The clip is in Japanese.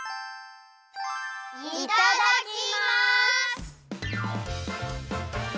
いただきます！